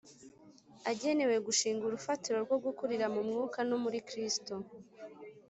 agenewe gushinga urufatirorwo gukurira mu Mwuka no muri Kristo,